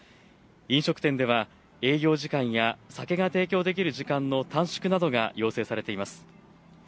飲食店では営業時間や酒が提供できる時間の短縮などが要請されています。